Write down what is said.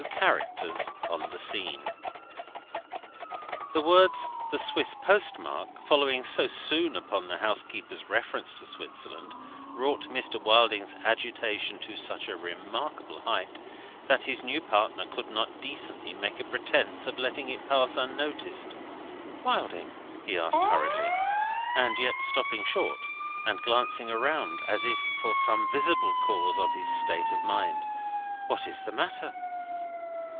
NEW CHARACTERS ON THE SCENE The words, "The Swiss Postmark," following so soon upon the housekeeper's reference to Switzerland, wrought Mr. Wilding's agitation to such a remarkable height, that his new partner could not decently make a pretence of letting it pass unnoticed. "Wilding," he asked hurriedly, and yet stopping short and glancing around as if for some visible cause of his state of mind: "what is the matter?"